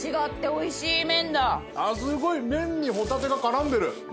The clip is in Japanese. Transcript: すごい麺にホタテが絡んでる。